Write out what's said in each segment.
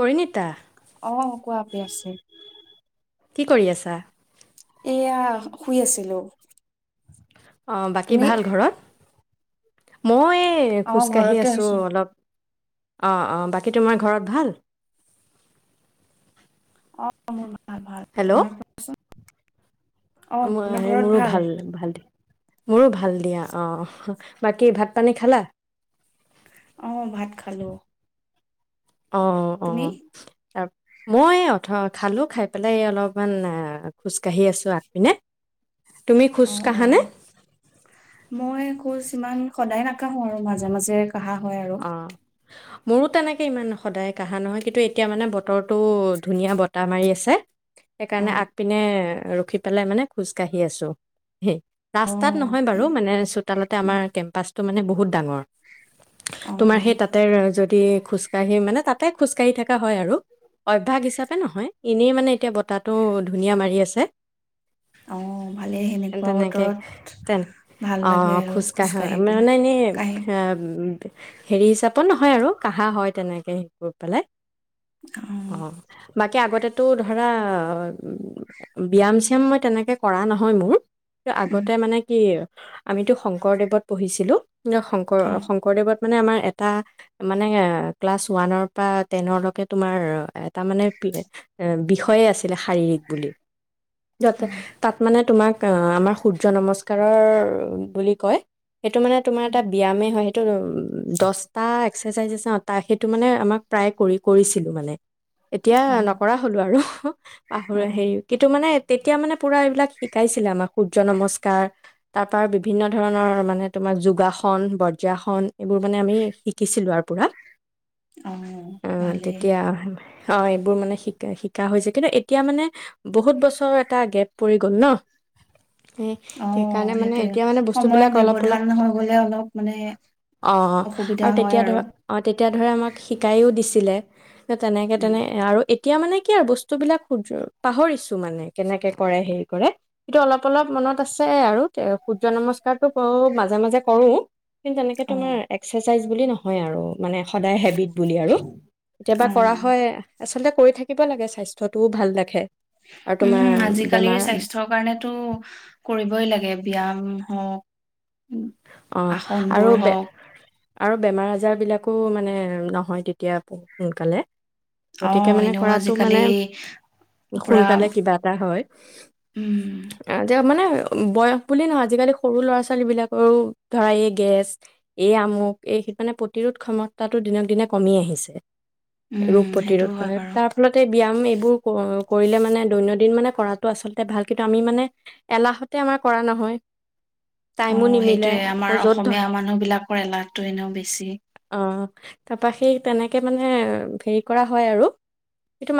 পৰিণীতা অ' কোৱা প্ৰিয়াশ্ৰী কি কৰি আছা? এয়া শুই আছিলো অ', বাকী তুমি? ভাল ঘৰত? মই এ অ খোজকাঢ়ি ঘৰতে আছো অলপ অ', অ', বাকী তোমাৰ ঘৰত ভাল? অ' মোৰ [unintelligible] ভাল ভাল তোমাৰ কোৱাচোন? মো মোৰো ভাল ভাল দে মোৰো ভাল দিয়া অ', বাকী ভাত পানী খালা? অ' ভাত খালো। অ' তুমি? অ' তাৰ মই অথ খালো খাই পেলাই অলপমান এ খোজকাাঢ়ি আছো আগপিনে তুমি খোজ অ' কাঢ়ানে অ' মই খোজ ইমান সদায় নাকাঢ়ো আৰু মাজে মাজে কাঢ়া হয় আৰু অঁ মোৰো তেনেকে ইমান সদায় কাঢ়া নহয় কিন্তু এতিয়া মানে বত বতৰটো ধুনীয়া বতাহ মাৰি আছে হে অ সেইকাৰণে আগপিনে ৰখি পেলাই মানে খোজকাাঢ়ি আছোঁ হেই অ ৰাস্তাত নহয় বাৰু সেই মানে চোতালতে আমাৰ কেম্পাচটো মানে বহুত ডাঙৰ অ তোমাৰ অ সেই তাতে যদি খোজকাঢ়ি মানে তাতে খোজকাঢ়ি থকা হয় আৰু অভ্যাস হিচাপে নহয়, এনেই মানে এতিয়া বতাহটো ধুনীয়া মাৰি আছে। অ ভালেই সেনেকুৱা তেনেকে বতৰত তেনে ভাল অ লাগে আৰু খোজ খোজকাঢ়ে কাঢ়ি পেলাই। মানে এনেই কাঢ়ি হম হেৰি হিচাপত নহয় আৰু কাহা হয় তেনেকে হেৰি কৰি পেলাই। অ বাকী আগতেতো ধৰা ব্যায়াম-চিয়াম মই তেনেকৈ কৰা নহয় মোৰ। উম আগতে মানে কি আমিতো শংকৰদেৱত পঢ়িছিলো। ন শংকৰ অ শং স্কুলত মানে আমাৰ এটা মানে ক্লাছ ওৱানৰ পৰা টেনৰ লৈকে তোমাৰ তাৰ মানে পি এ এ বিষ ষয়ে আছিলে শাৰীৰিক বুলি। তাতে, তাত মানে তোমাক অ আমাৰ সূৰ্য্য নমস্ক কাৰৰ বুলি কয়। সেইটো মানে তোমাৰ এটা ব্যয়ামে হয়। [inaudible] দহটা এক এক্সাৰচাইজ আছে অ তাই সেইটো মানে আমাক প্ৰায় কৰি কৰিছিলো মানে। এতিয়া অ অ নকৰা হলোঁ আৰু পাহৰা হেৰি অ কিন্তু মানে তেতিয়া মানে পুৰা এইবিলাক শিকাইছিলে আমাক সূৰ্য নমস্কাৰ, তাৰ পৰা বিভিন্ন ধৰণৰ মানে তোমাক যোগাসন, ব বজ্ৰাসন এইবোৰ মানে আমি শিকিছিলোঁ আৰু পুৰা অহ ভালে। অ এইবোৰ মানে শিকায় শিকা হৈছে কিন্তু এতিয়া মানে বহুত বছৰ এটা গেপ পৰি গ'ল ন। সেই অ সেইকাৰণে মানে সেইটোয়ে এতিয়া মানে সময়ৰ ব্যৱধান হৈ গ'লে অলপ মানে অ অ অসুবিধা আৰু হয় তেতিয়া ধৰা, অ তেতিয়া ধৰা আমাক শিকাইও দিছি ছিলে। তেনেকে উম, তেনে আৰু এতিয়া মানে কি আৰু বস্তুবিলাক সূৰ্য্য পাহৰিছোঁ মানে কেনেকে কৰে হেৰি কৰে। কিন্তু অলপ অলপ মনত আছে আৰু এ সূৰ্য নমস্কাৰটো কৰো মাজে মাজে কৰোঁ। কিন্তু তেনেকে অ', তোমাৰ এক্সাৰচাইজ বুলি নহয় আৰু মানে সদায় হেবিট বুলি আৰু কেতিয়াবা কৰা অ', হয় আচলতে কৰি থাকিব লাগে স্বাস্থ্যটোও ভাল ৰাখে আৰু তোমাৰ উম বেমাৰ আজিকালিৰ স্বাস্থ্যৰ কাৰণেতো কৰিবই লাগে ব্যায়াম হওক অ আৰু ব আৰু বেমাৰ আজাৰ বিলাকো মানে নহয় তেতিয়া ব সোনকালে গতিকে অ', মানে এনেও কৰাতটো আজিকালি মানে পুৰা সোনকালে কিবা এটা হয় উম, যে মানে বয়স বুলি নহয় আজিকালি সৰু ল'ৰা ছোৱালীবিলাক সৰু ধৰা এই গেছ এই আমুক এই মানে প্ৰতিৰোধ ক্ষমতাটো দিনক দিনে কমি আহিছে উম, ৰোগ সেইটো প্ৰতিৰোধ কৰা হয় বাৰু। তাৰ ফলতে ব্যয়ায়াম এইবোৰ কৰিলে মানে দৈনন্দিন মানে কৰাটো আচল ভাল কিন্তু আমি মানে এলাহতে আমাৰ কৰা নহয় অ টাইমো নিমিলে সেইটোয়ে আকৌ আমাৰ য'ত ধৰ অসমীয়া মানুহ বিলাকৰ এলাহটো এনেও বেছি অ তাৰপা সেই তেনেকে মানে হেৰি কৰা হয় আৰু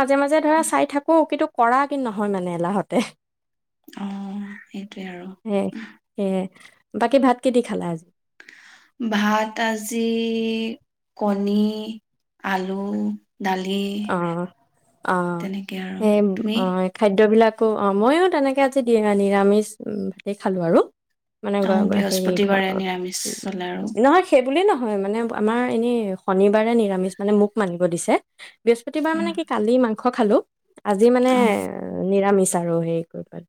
মাজে মাজে ধৰা চাই থাকো কিু কৰা কি নহয় মানে এলাহতে অ সেইটোৱে আৰু সেয়ে সেয়ে বাকী ভাতক দি খালা আজি কনী আলু দালি, অ', অ', তেনেকে আৰু তুমি? আ অ মইো তেনেকে আজি নিৰামিষ ভতে খালো আৰু মানে অ হেৰি ঘ বৃহস্পতিবাৰে নিৰামিষ চলে আৰু নহয় সেইবোলি নহয় হয় মানে আমাৰ এনেই শনিবাৰে নিৰামিষ মানে মোক মানিব দিছে বৃহস্পতিবাৰ অ মানে কি, কালি মাংস, মাংস খালো। আজি মানে অ নিৰামিষ তাৰৈয়েকৰ ঘৰত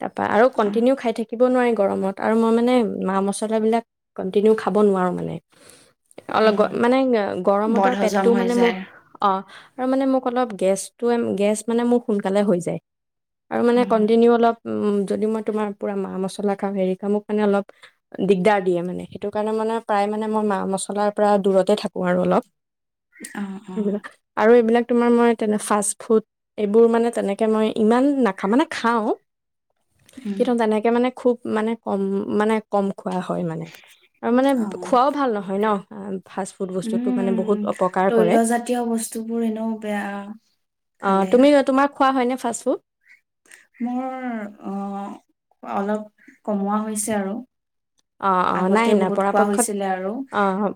তাৰ পৰা আৰু অ কন্টিনিউ খাই থাকি থাকিব নোৱাৰি গৰমত আৰু মই মানে মা মছলাবিলাক কণ্টিনিউ খাব নোৱাৰোঁ মানে অ অলপ মানে বদ গৰমতৰ হজম পেটটোও হৈ মানে মোৰ যায় আৰু মানে মোক অলপ গেছটো', -গেছ', মানে মোৰ সোনকালে হৈ যায়। আৰু অ মানে কণ্টিনিউ অলপ উ যদি মই তোমাৰ পুৰা মা মছলা খাওঁ হেৰি খা মোক মানে অলপ দিগদাৰ দিয়ে মানে সেইটো কাৰণে মানে প্ৰায় মানে মই মা মছলাৰ পৰা দূৰতে থাকো আৰু অলপ অ অ এইবিলাক আৰু এইবিলাক তোমাৰ মই তেনে ফাষ্ট ফুড এইবোৰ মানে তেনেকে মই ইমান নাখা মানে খাওঁ উম কিথ তেনেকে মানে খুব [unintelligible] মানে- কম মানে- কম- খোৱা হয় মানে আৰু মানে অ খোৱাও ভাল নহয় ন। ফাষ্ট ফুড বস্তুটো মানে বহুত উম অপকাৰ কৰে তৈলজাতীয় বস্তু- টোবোৰ এনেও বেয়া- অ', খালে- তুমি তোমাৰ খোৱা হয়নে ফাষ্ট ফুড? মোৰ অ- অলপ কমোৱা হৈছে আৰু। অ- অ আগতে নাই- নাই বহুত খোৱা পৰাপক্ষত হৈছিলে আৰু অ-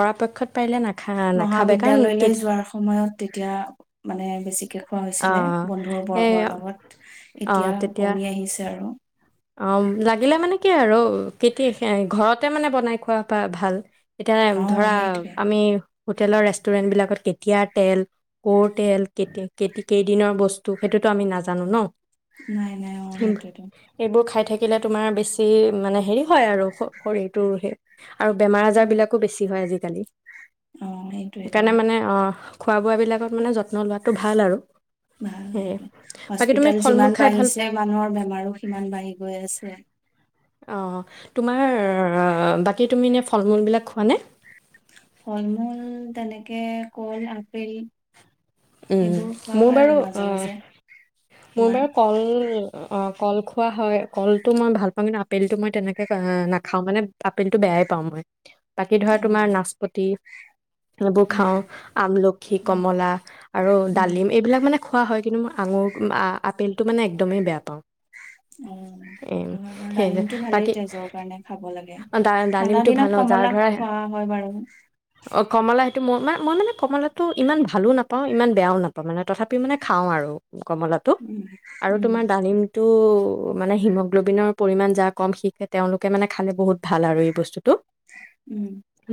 পৰাপক্ষত পাৰিলে নাই- মহাবিদ্যালয়লৈ যোৱাৰ সময়ত তেতিয়া মানে বেছিকে খোৱা হৈছিলে অ', বন্ধুৰ এই বৰ্গৰ লগত অ', এতিয়া তেতিয়া কমি আহিছে আৰু। অ- লাগিলে মানে কি আৰু কে ঘৰতে মানে বনাই খোৱা বা ভাল এতিয়া এম অ ধৰা সেইটোৱে আমি- হোটেলৰ ৰেষ্টুৰেণ্টবিলাকত কেতিয়াৰ তেল কৰ তেল কেতি কে কেইদিনৰ বস্তু সেইটোতো আমি নাজানো ন? নাই- নাই অ- সেইটোৱেতো। বোৰ খাই থাকিলে তোমাৰ বেছি মানে হেৰি হয় আৰু শৰীৰটোৰ সে- আৰু বেমাৰ আজাৰ উম, বিলাকো বেছি হয় আজি কালি- অ সেইটোৱেতো সেইকাৰণে মানে অ- খোৱা বোৱাবিলাকত মানে য- ভাল-সেইটোয়ে। বাকী তুমি হস্পিতাল ফল মূল যিমান খাই ভাল বাঢ়িছে মানুহৰ বেমাৰো- সিমান বাঢ়ি গৈ আছে। অঁ তোমাৰ- বাকী তুমিনে ফল মূলবিলাক খোৱানে? ফলমূল তেনেকে কল আপেল- উম- সেইবোৰ খোৱা মোৰ হয় বাৰু আৰু মাজে অ- মাজে মোৰ তোমাৰ বাৰু কল অ- অ- কল খোৱা হয় কলটো মই ভাল পাওঁ, কিন্তু আপেলটো মই তেনেকে নাখাওঁ মানে আপেলটো বেয়াই পাওঁ মই। বাকি ধৰা অ তোমাৰ নাচপতি এইবোৰ খাওঁ উম আমলখি, উম কমলা আৰু উম ডালিম এইবিলাক মানে খোৱা হয় কিন্তু মই আঙুৰ- আ- আপেলটো মানে একদমেই বেয়া পাওঁ। উম- এ বাৰু সেই ডালিমটো ভালেই বাকী তেজৰ কাৰণে খাব লাগে। অ ডা ঠাণ্ডা ডালিমটো ভাল ন দিনত যাৰ কমলা ধৰা খোৱা হয় বাৰু। মই-মই মানে কমলাটো ইমান ভালো নাপাওঁ ইমান বেয়াও নাপাওঁ মানে তথাপিও মানে খাওঁ আৰু। কমলাটো? উম আৰু উম তোমাৰ ডালিম- ও মানে হিমগ্ল'বিনৰ পৰিমাণ যাৰ কম হিতকে তেওঁলোকে মানে খালে বহুত- ভাল আৰু এই বস্তুটো। উম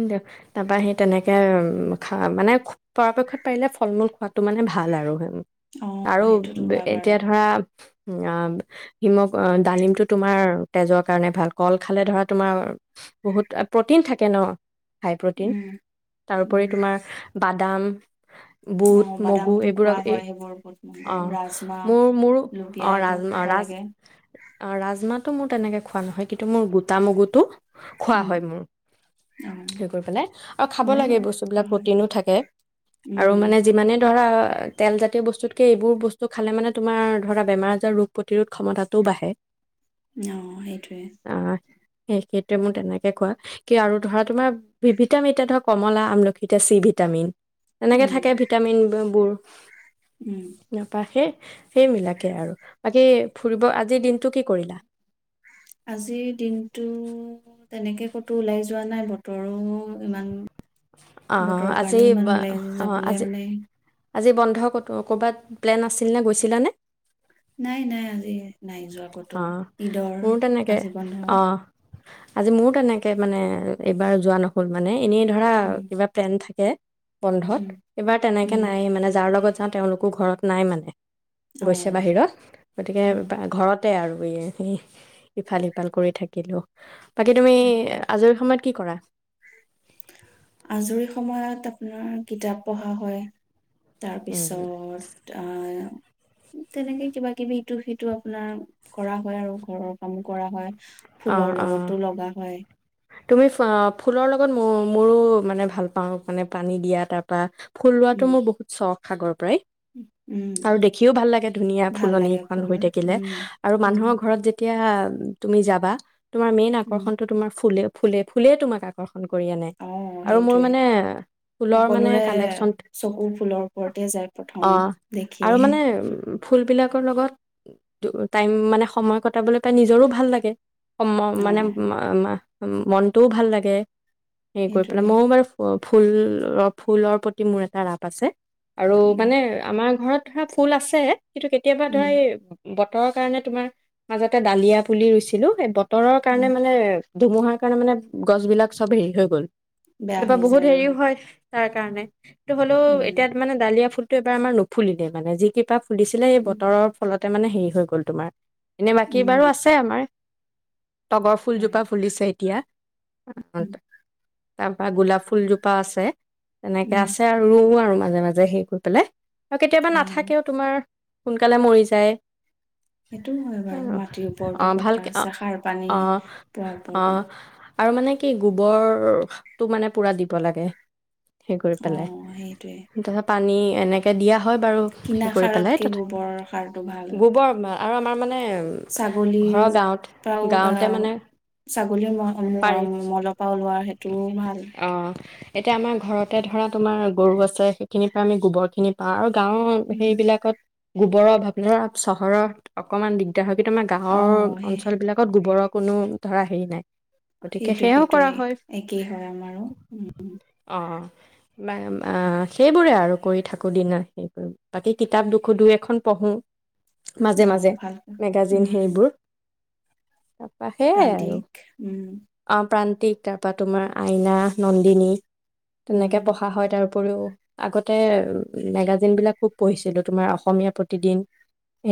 দিয়ক [unintelligible] তাবাহি সি তেনেকে আৰু খা- মানে পৰাপক্ষত পাৰিলে ফল মূল খোৱাত- তটো মানে ভাল অ আৰু আৰু সেইটোতো হয় বাৰু এতিয়া ধৰা হিমগ ডালিমটো তোমাৰ তেজৰ কাৰণে ভাল, ক'ল খালে ধৰা তোমাৰ বহুত প্ৰটিন থাকে ন হাই প্ৰটিন উম উম তাৰোপৰি তোমাৰ। বাদাম, অ বুট মগু বাদামটো খোৱা এইবোৰক এ হয় সেইবোৰ বুট মগু ৰাজমাহ অ' মোৰ মোৰো লুবিয়া অ এইবোৰ ৰাজ খাব ৰাজ লাগে ৰাজমাহটো মোৰ তেনেকে খোৱা নহয়। কিন্তু মোৰ গোটা মগুটো খোৱা উম হয় মোৰ, অ হে কৰি পেলাই আৰু খাব মোৰো লাগে বাৰু বস্তুবিলাক খোৱা হয় প্ৰটিনো থাকে আৰু উম মানে যিমানে ধৰা আৰু। তেলজাতীয় বস্তু তাকে এইবোৰ বস্তু খালে মানে তোমাৰ ধৰা বেমাৰ আজাৰ ৰোগ প্ৰতিৰোধ ক্ষমতাও বাঢ়ে। অ' সেইটোৱে। স সেইটোৱে মোৰ তেনেকে কোৱা কি আৰু ধৰা তোমাৰ ভিটামিন এতিয়া ধৰা কমলা, আমলখি এতিয়া চি ভিটামিন, তেনেকে উম থাকে ভিটামিন বোৰ উম নাপাই হে সেইবিলাকে আৰু, বাকী ফুৰিব আজিৰ দিনতটো কি কৰিলা? আজিৰ দিনতটো তেনেকে ক'তো ওলাই যোৱা নাই, বতৰো ইমান অ' অ' বতৰৰ আজি কাৰণেও ইমান ওলাই অ' যাবলে আজি মানে আজি বন্ধ ক'তো ক'ৰবাত প্লেন আছিল নে গৈছিলানে? নাই নাই আজি নাই যোৱা ক'তো, অঁ ঈদৰ মোৰো তেনেকৈ আজি বন্ধ। অঁ আজি মোৰ তেনেকে মানে এইবাৰ যোৱা নহল মানে এনেই ধৰা উম কিবা প্লেন থাকে। তে বন্ধত? উম এইবাৰ তেনেকে উম নাই মানে যাৰ লগত অ তেওঁলোকো ঘৰত নাই মানে অ গৈছে বাহিৰত গতিকে অ পা ঘৰত এয়া আৰু এই ইফাল সিফাল কৰি থাকিলো। বাকী তুমি তাকে আজৰি সময়ত কি কৰা? আজৰি সময়ত আপোনাৰ কিতাপ পঢ়া হয়। উম, তাৰপিছত আহ তেনেকে কিবা কিবি ইটো সিটো আপোনাৰ কৰা হয় আৰু ঘৰৰ কামো কৰা হয়। অঁ ফুলৰ অঁ লগতো লগা হয় তুমি ফ ফুলৰ লগত ম মোৰো মানে ভাল পাওঁ মানে পানী দিয়া তাৰ পৰা ফুল ৰোৱাটো উম মোৰ বহুত চখ। সাগৰৰ পৰাই উম আৰু দেখিও ভাল লাগে ধুনীয়া ভাল লাগে ফুলনিখন ফুল হৈ থাকিলে উম আৰু উম মানুহৰ ঘৰত যেতিয়া উম - উম তুমি যাব বা তোমাৰ মেইন উম আকৰ্ষণটো তোমাৰ ফুলে। ফুলে, ফুলেই তোমাক আকৰ্ষণ ফোন কৰি আনে অ আৰু মোৰ সেইটোৱে মানে ফুলৰ মানে সকলোৰে কালেকচন। চকু ফুলৰ ওপৰতে যায় প্ৰথম অ, দেখিয়ে আৰু মানে ফুল বিলাক কৰ লগত টাইম মানে সময় কটাবলৈ পাই নিজৰো ভাল লাগে। সম অ মানে মা - মা মনটোও ভাল লাগে। সেই কৰি পেলাই সেইটোৱে ময়ও বাৰু ফ ফুল অ ', ফুলৰ প্ৰতি মোৰ এটা ৰাপ আছে। আৰু উম মানে আমাৰ ঘৰত ধৰা ফুল আছে। কিন্তু কেতিয়াবা ধৰা উম এই বতৰৰ কাৰণে তোমাৰ মাজতে ডালিয়া পুলি ৰুইছে ছিলো সেই বত [inaudible] তৰৰ কাৰণে উম মানে ধুমুহাৰ কাৰণে মানে গছ বিলাক চব হেৰি হৈ গ'ল। বেয়া তপা হৈ বহুত যায় হেৰিও হয় তাৰ কাৰণে। উম কিন্তু হ'লেও এতিয়া মানে ডালিয়া ফুল টো এবাৰ আমাৰ নফুলিলে মানে যি কিবা খুলিছিলে এই উম বতৰৰ ফলত তাৰ মানে হেৰী হৈ গ'ল তোমাৰ। এনে বাকী উম বাৰু আছে আমাৰ। তগৰ হয় ফুলজোপা ফুলিছে এতিয়া। তাৰ পৰা গোলাপ ফুলজোপা আছে। তেনেকে উম আছে আৰু ৰুও আৰু মই। মাজে - মাজে সেই কৰি পেলাই। আৰু কেতিয়াবা অ নাথাকেও তোমাৰ। সোনকালে মৰি যায়। সেইটো হয় বাৰু। মাটিৰ ওপৰতো অঁ কথা। ভালকে অঁ ছাহ সাৰ পানী, অঁ পোৱাৰ অঁ ওপৰতো আৰু মানে কি গোবৰ, টো মানে পুৰা দিব লাগে সেই কৰি অ পেলাই, সেইটোৱে তা পা পানী এনেকে দিয়া হয় বাৰু কিনা হে কৰি পেলাই, সাৰতকে তথা গোবৰ সাৰটো ভাল গোবৰ আৰু আমাৰ মানে উম ঘৰৰ গাঁৱত উও অ গাঁৱতে মানে ছাগলীৰ পাৰি [unintelligible] মলপা টোও ভাল অ এতিয়া আমাৰ ঘৰতে ধৰা তোমাৰ, গৰু আছে সেইখিনিৰ পৰা আমি গোবৰ খিনি পাওঁ আৰু গাঁওৰ উম সেইবিলাকত গোবৰৰ অভাব ন চহৰত অকমান দিগদাৰ হয় কিন্তু আমাৰ অ গাঁৱৰ অঞ্চল বিলাকত গোবৰক কোনো, ধৰা হেৰি নাই গতিকে সেইটোৱে সেয়াও সেইটোৱে কৰা হয় একেই হয় আমাৰো, উম উম অ, বা আ সেইবোৰে আৰু কৰি থাকোঁ দিনৰ বাকী কিতাপ দুখো দুই এখন পঢ়োঁ। মাজে অ মাজে, ভাল মেগাজিন উম সেইবোৰ তাপা সেয়াই আৰু, প্ৰান্তিক উম অ প্ৰান কিতাপ পা তোমাৰ আইনা, নন্দিনী উম তেনেকে পঢ়া হয় তাৰ তাৰ উপৰিও আগতে, মেগাজিনবিলাক খুব পঢ়িছিলোঁ তোমাৰ অসমীয়া প্ৰতিদিন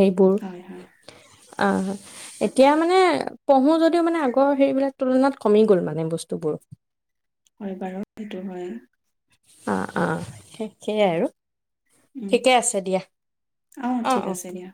এইবোৰ হয় হয় অ, এতিয়া মানে, পঢ়ো যদিও মানে আগৰ সেৰিবিলাক তুলনাত কমি গ'ল মানে বস্তু বোৰ হয় বাৰু সেইটো হয় অ, অ ঠিকেই আৰু উম, ঠিকে আছে দিয়া অহ অ ঠিক অ আছে দিয়া